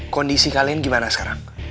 kondisi kalian gimana sekarang